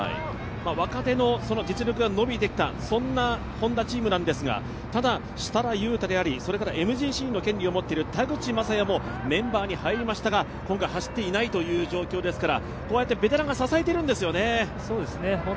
若手の実力が伸びてきた、そんなＨｏｎｄａチームなんですがただ、設楽悠太であり、ＭＧＣの権利を持っている田口雅也もメンバーに入りましたが、今回、走っていない状況ですから、ベテランが支えているんですよね。